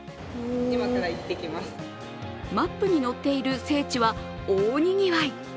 マップに載っている聖地は大にぎわい。